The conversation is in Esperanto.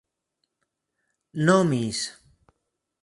nomis